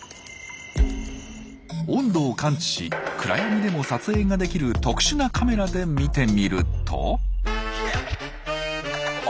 温度を感知し暗闇でも撮影ができる特殊なカメラで見てみるとあ！